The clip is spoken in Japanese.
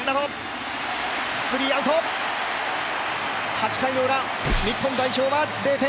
８回のウラ、日本代表は０点。